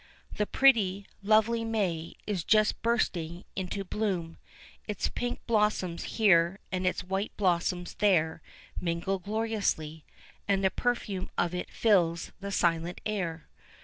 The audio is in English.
The pretty, lovely May is just bursting into bloom; its pink blossoms here and its white blossoms there mingle gloriously, and the perfume of it fills the silent air.